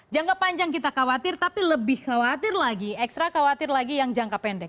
jangka panjang kita khawatir tapi lebih khawatir lagi ekstra khawatir lagi yang jangka pendek